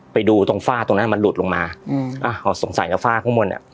ไปดูตรงฝ้าตรงนั้นมันหลุดลงมาอืมอ่าสงสัยนะฝ้าข้างบนเนี้ย